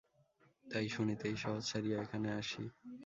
তাই শুনিতেই শহর ছাড়িয়া এখানে আসি।